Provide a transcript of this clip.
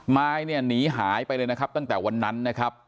ไม้เนี่ยหนีหายไปเลยนะครับตั้งแต่วันนั้นนะครับ